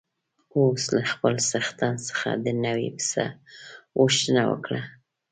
اوښ له خپل څښتن څخه د نوي پسه غوښتنه وکړه.